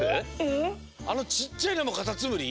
あのちっちゃいのもカタツムリ？